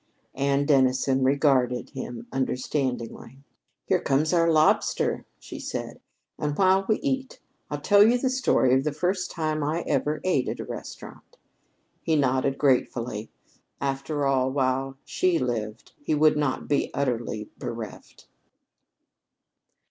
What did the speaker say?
Anne Dennison regarded him understandingly. "Here comes our lobster," she said, "and while we eat it, I'll tell you the story of the first time I ever ate at a restaurant." He nodded gratefully. After all, while she lived, he could not be utterly bereft.